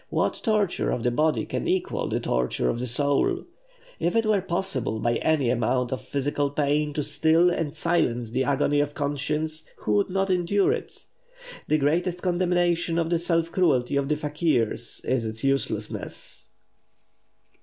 What torture of the body can equal the torture of the soul? If it were possible by any amount of physical pain to still and silence the agony of conscience, who would not endure it? The greatest condemnation of the self cruelty of the fakeers is its uselessness.